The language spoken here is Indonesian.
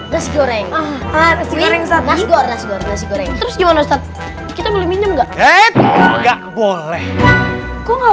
nasi goreng nasi goreng nasi goreng terus gimana kita boleh minum enggak boleh enggak boleh enggak